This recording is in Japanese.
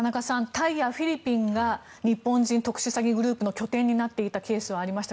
タイやフィリピンが日本人の特殊詐欺の拠点になっていたケースはありますか。